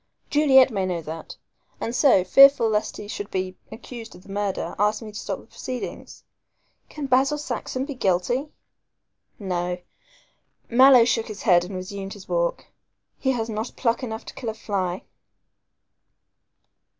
Juliet may know that, and so, fearful lest he should be accused of the murder, asked me to stop proceedings. Can Basil Saxon be guilty? No," Mallow shook his head and resumed his walk, "he has not pluck enough to kill a fly."